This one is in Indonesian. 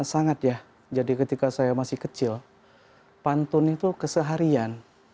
sangat ya jadi ketika saya masih kecil pantun itu keseharian